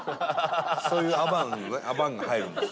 そういうアバンが入るんです。